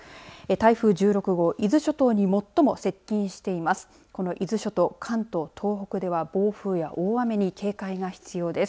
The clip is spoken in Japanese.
台風１６号、伊豆諸島に最も接近しています。